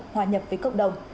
hòa nhập với cộng đồng